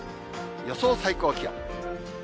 予想最高気温。